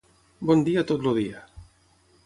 Bon dia tot el dia